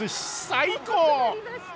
最高！